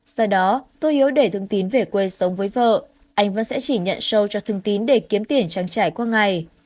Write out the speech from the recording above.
sau đó tô hiếu để thương tín về quê sống với vợ anh vẫn sẽ chỉ nhận show cho thương tín để kiếm tiền trắng trải qua ngày